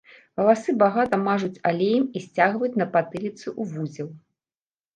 Валасы багата мажуць алеем і сцягваюць на патыліцы ў вузел.